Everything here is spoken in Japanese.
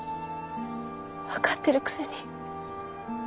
分かってるくせに。